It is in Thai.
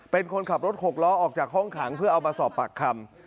เป็นคนขับรถหกล้อออกจากห้องขังเพื่อเอามาสอบปากคำ